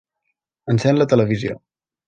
Encén la televisió.